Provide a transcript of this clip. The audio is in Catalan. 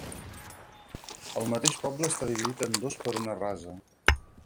El mateix poble està dividit en dos per una rasa.